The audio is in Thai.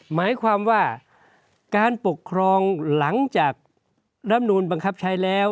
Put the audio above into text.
หมายความว่าการปกครองหลังจากรับนูลบังคับใช้แล้ว